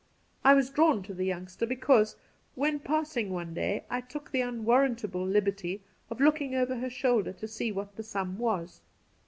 I was drawn to the youngster because, when passing one day, I took the unwarrantable liberty of looking over her shoulder to see what the sum was.